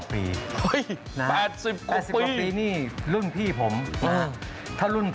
๘๐กว่าปีนะครับ๘๐กว่าปีนี่รุ่นพี่ผมถ้ารุ่นพ่อ